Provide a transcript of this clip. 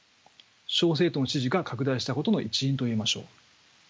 小政党の支持が拡大したことの一因といえましょう。